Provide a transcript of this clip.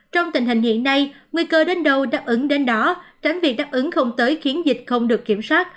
trong tình hình hiện nay nguy cơ đến đâu đáp ứng đến đó tránh việc đáp ứng không tới khiến dịch không được kiểm soát